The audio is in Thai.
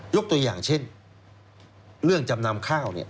ตัวอย่างเช่นเรื่องจำนำข้าว